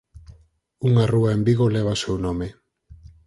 Unha rúa en Vigo leva o seu nome.